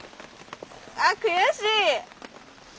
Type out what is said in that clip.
あ悔しい！